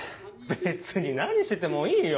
別に何しててもいいよ